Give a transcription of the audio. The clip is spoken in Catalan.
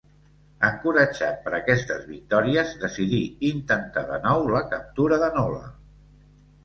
Encoratjat per aquestes victòries, decidí intentar de nou la captura de Nola.